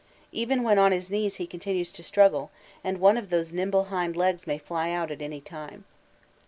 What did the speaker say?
Even when on his knees he continues to struggle, and one of those nimble hind legs may fly out at any time.